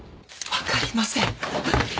分かりません！